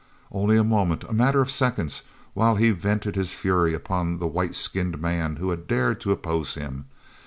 Only a moment—a matter of seconds—while he vented his fury upon this white skinned man who had dared to oppose him.